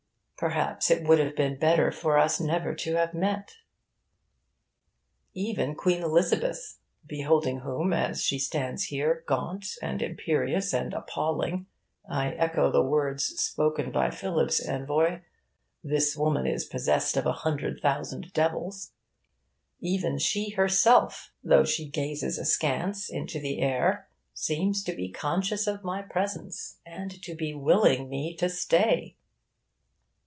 Perhaps it would be better for us never to have met. Even Queen Elizabeth, beholding whom, as she stands here, gaunt and imperious and appalling, I echo the words spoken by Philip's envoy, 'This woman is possessed of a hundred thousand devils' even she herself, though she gazes askance into the air, seems to be conscious of my presence, and to be willing me to stay.